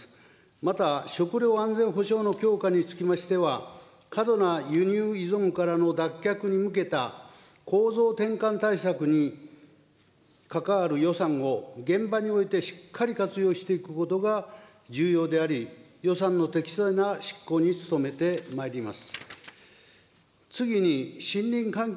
また食料安全保障の強化につきましては、過度な輸入依存からの脱却に向けた構造転換対策に関わる予算を、現場においてしっかり活用していくことが重要であり、予算の適正な執行に努めてまいります。